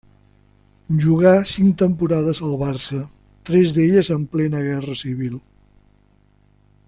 Jugà cinc temporades al Barça, tres d'elles en plena Guerra Civil.